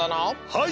はい！